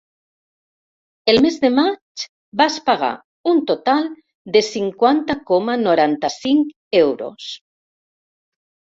El mes de maig vas pagar un total de cinquanta coma noranta-cinc euros.